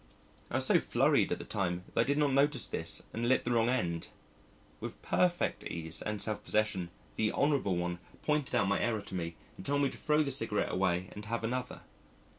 I was so flurried at the time that I did not notice this and lit the wrong end. With perfect ease and self possession, the Honourable One pointed out my error to me and told me to throw the cigarette away and have another.